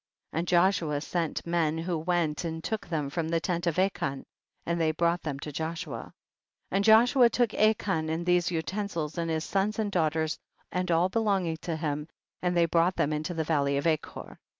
35. And Joshua sent men who went and took them from the tent of Achan, and they brought them to Joshua. THE BOOK OF JASHER. 259 36. And Joshua took Achan and these utensils, and liis sons and daugh ters and all belonging to him, and they brought them into the valley of Achor.